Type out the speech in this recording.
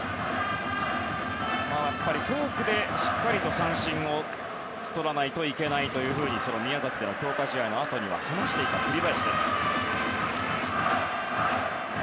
やっぱりフォークでしっかり三振をとらないといけないと宮崎での強化試合のあとには話していた、栗林です。